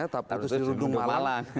tak putus dirundung masalah